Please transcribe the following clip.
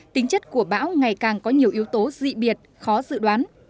tính chất của bão ngày càng có nhiều yếu tố dị biệt khó dự đoán